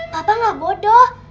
papa gak bodoh